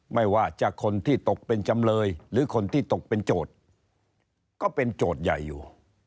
ไม่ว่าจะคนที่ตกเป็นจำเลยหรือคนที่ตกเป็นโจทย์ก็เป็นโจทย์ใหญ่อยู่